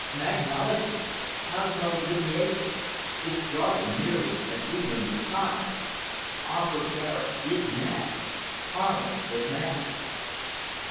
Magnology. Cosmolineation. It's jargon merely, as we learned in time. Osbert Garet is mad. Harmless, but mad."